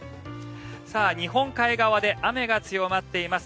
日本海側で雨が強まっています。